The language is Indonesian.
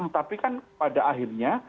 tapi kan pada akhirnya